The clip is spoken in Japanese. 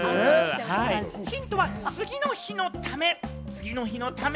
ヒントは、次の日のため。